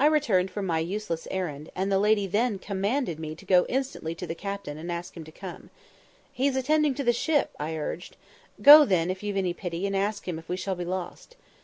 I returned from my useless errand, and the lady then commanded me to go instantly to the captain and ask him to come. "He's attending to the ship," I urged. "Go then, if you've any pity, and ask him if we shall be lost."